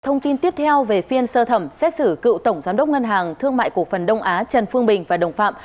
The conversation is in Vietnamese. thông tin tiếp theo về phiên sơ thẩm xét xử cựu tổng giám đốc ngân hàng thương mại cổ phần đông á trần phương bình và đồng phạm